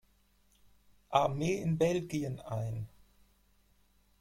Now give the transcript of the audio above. Armee in Belgien ein.